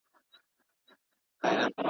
که دي زړه دیدن ته کیږي تر ګودره پوري راسه.